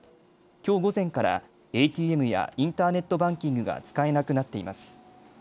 きょう午前からＡＴＭやインターネットバンキングが使えなくなっています。